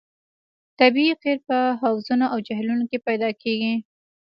طبیعي قیر په حوضونو او جهیلونو کې پیدا کیږي